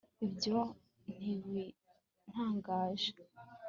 ibyo ntibintangaje